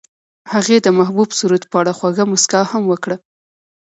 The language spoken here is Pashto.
هغې د محبوب سرود په اړه خوږه موسکا هم وکړه.